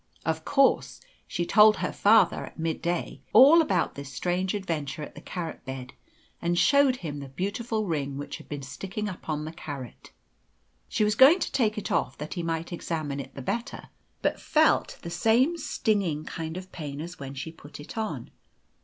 Of course she told her father, at mid day, all about this strange adventure at the carrot bed, and showed him the beautiful ring which had been sticking upon the carrot. She was going to take it off that he might examine it the better, but felt the same stinging kind of pain as when she put it on.